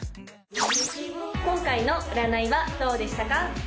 今回の占いはどうでしたか？